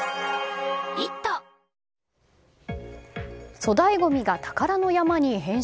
粗大ごみが宝の山に変身？